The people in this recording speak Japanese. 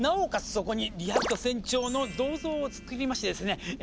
そこにリヒャルト船長の銅像をつくりましてですねえ